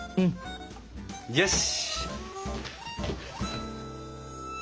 よし。